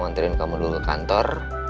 ngantarin kamu dulu ke kantor